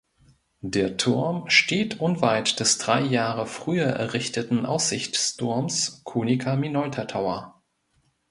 Der Turm steht unweit des drei Jahre früher errichteten Aussichtsturms Konica Minolta Tower.